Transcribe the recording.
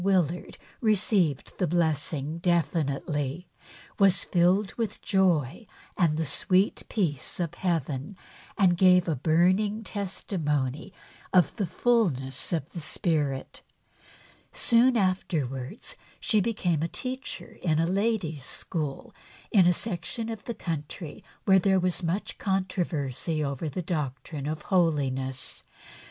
Willard received the blessing definitely, was filled with joy and the sweet peace of Heaven and gave a burning testimony of the fulness of the Spirit. Soon afterwards she became a teacher in a ladies' school in a section of the country where there was much controversy over the doctrine of holiness.